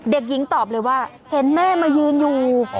เด็กหญิงตอบเลยว่าเห็นแม่มายืนอยู่